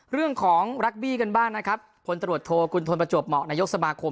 เรื่องของรักบี้กันบ้างนะครับพลตรวจโทกุณฑลประจวบเหมาะนายกสมาคม